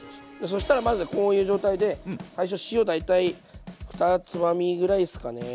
そしたらまずこういう状態で最初塩大体２つまみぐらいですかね。